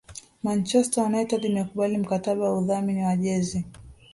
Manchester United imekubali mkataba wa udhamini wa jezi